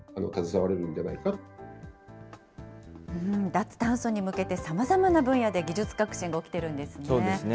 脱炭素に向けて、さまざまな分野で技術革新が起きてるんですね。